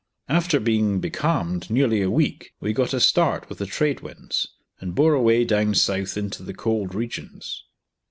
After being becalmed nearly a week we got a start with the trade winds, and bore away down south into the cold regions.